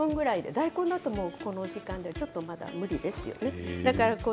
大根だとこの時間ではちょっとまだ無理ですよね。